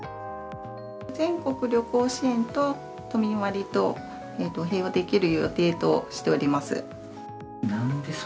全国旅行支援と都民割と併用できる予定としております。